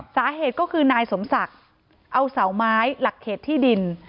สาเหตุก็คือนายสมศักดิ์เอาเสาไม้หลักเขตที่ดิน